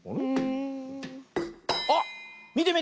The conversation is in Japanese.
あっみてみて！